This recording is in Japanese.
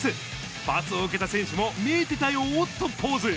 パスを受けた選手も、見えてたよとポーズ。